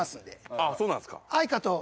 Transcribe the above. ああ、そうなんですか。